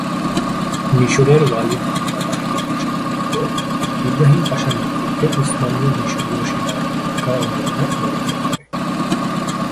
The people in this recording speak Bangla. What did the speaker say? মিশরের ওয়ালি মুহাম্মদ আলি পাশার পুত্র ইবরাহিম পাশার নেতৃত্বে উসমানীয়-মিশরীয় সেনারা মক্কা ও মদিনা পুনরুদ্ধার করে।